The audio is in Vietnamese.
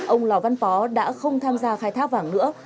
ông lò văn pó đã không tham gia khai thác vàng nữa